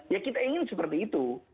ya kita ingin seperti itu